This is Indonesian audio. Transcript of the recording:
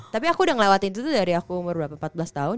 tapi aku udah ngelewatin itu tuh dari aku umur berapa empat belas tahun